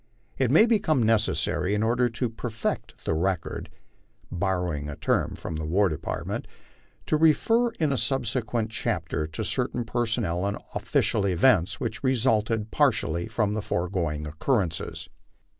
It may be come necessary in order "to perfect the record," borrowing a term from the War Department, to refer In a subsequent chapter to certain personal and offi cial events which resulted partially from the foregoing occurrences.